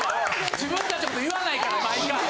自分たちのこと言わないから毎回。